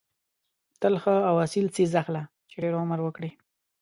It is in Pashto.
تل ښه او اصیل څیز اخله چې ډېر عمر وکړي.